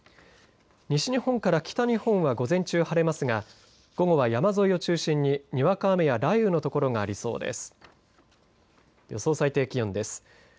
西日本から北日本は午前中、晴れますが午後は山沿いを中心ににわか雨や雷雨のところがありそうです。